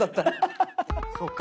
そっか。